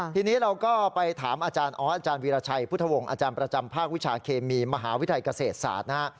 ทีนี้เราก็ไปถามอาจารย์ออสอาจารย์วีรชัยพุทธวงศ์อาจารย์ประจำภาควิชาเคมีมหาวิทยาลัยเกษตรศาสตร์นะฮะ